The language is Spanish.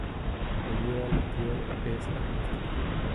Rivera Letelier es agnóstico.